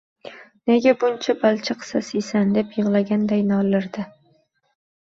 “Nega buncha balchiq sasiysan” deb yig’laguday nolirdi.